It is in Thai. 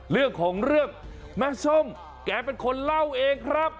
เรื่องของเรื่องแม่ส้มแกเป็นคนเล่าเองครับ